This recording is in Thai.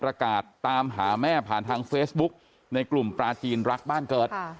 ประกาศตามหาแม่ผ่านทางเฟซบุ๊กในกลุ่มปลาจีนรักบ้านเกิด